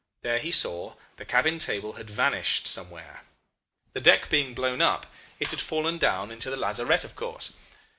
There, he saw, the cabin table had vanished somewhere. The deck being blown up, it had fallen down into the lazarette of course.